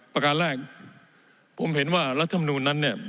ประการแรกผมเห็นว่ารัฐธรรมนูญนั้น